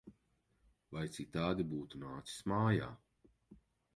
Vai citādi būtu nācis mājā!